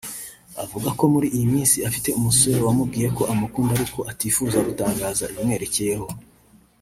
Avuga ko muri iyi minsi afite umusore wamubwiye ko amukunda ariko ko atifuza gutangaza ibimwerekeyeho